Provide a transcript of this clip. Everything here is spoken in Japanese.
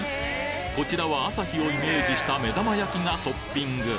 こちらは朝日をイメージした目玉焼きがトッピング！